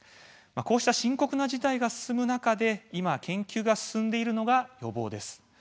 こうした深刻な事態が進む中で今研究が進んでいるのが予防です。